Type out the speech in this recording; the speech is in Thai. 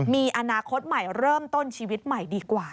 มีอนาคตใหม่เริ่มต้นชีวิตใหม่ดีกว่า